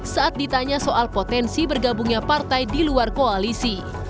saat ditanya soal potensi bergabungnya partai di luar koalisi